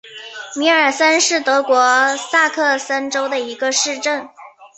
米尔森是德国萨克森州的一个市镇。